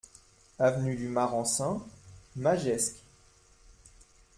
Avenue du Marensin, Magescq